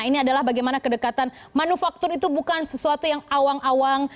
ini adalah bagaimana kedekatan manufaktur itu bukan sesuatu yang awang awang